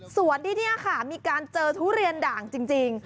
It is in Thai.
ส่วนที่นี่ค่ะมีการเจอทุเรียนด่างจริง